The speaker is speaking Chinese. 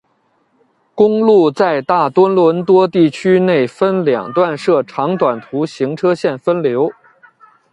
公路在大多伦多地区内分两段设长短途行车线分流。